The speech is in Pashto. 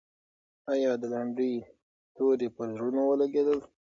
آیا د لنډۍ توري پر زړونو ولګېدل؟